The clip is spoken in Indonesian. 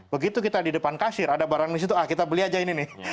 begitu kita di depan kasir ada barang di situ ah kita beli aja ini nih